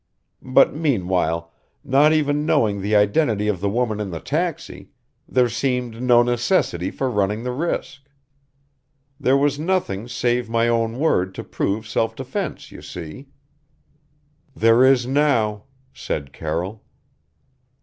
But meanwhile not even knowing the identity of the woman in the taxi there seemed no necessity for running the risk. There was nothing save my own word to prove self defense, you see." "There is now," said Carroll.